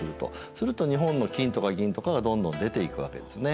すると日本の金とか銀とかがどんどん出ていくわけですね。